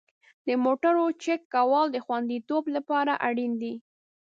د موټرو چک کول د خوندیتوب لپاره اړین دي.